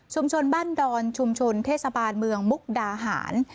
บ้านดอนชุมชนเทศบาลเมืองมุกดาหาร